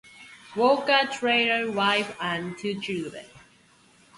Walker, tailor, wife, and two children.